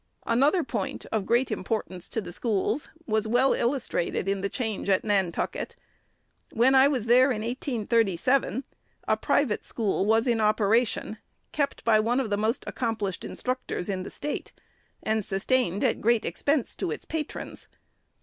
An other point, of great importance to the schools, was well illustrated in the change at Nantucket. When I was there in 1837, a private school was in operation, kept by one of the most accomplished instructors in the State, and sustained at great expense to its patrons.